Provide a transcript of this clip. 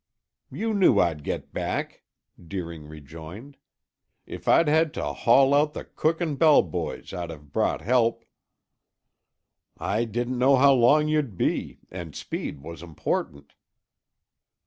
"You knew I'd get back," Deering rejoined. "If I'd had to haul out the cook and bell boys I'd have brought help." "I didn't know how long you'd be and speed was important."